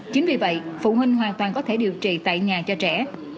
chính vì vậy phụ huynh hoàn toàn có thể điều trị tại nhà cho trẻ